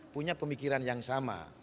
punya pemikiran yang sama